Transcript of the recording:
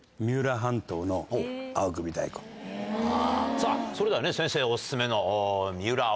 さぁそれではね先生お薦めの。